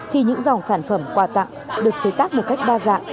thì những dòng sản phẩm quà tặng được chế tác một cách đa dạng